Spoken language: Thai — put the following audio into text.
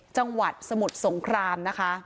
จังหวัดสมุดสงคราม